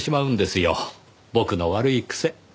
僕の悪い癖。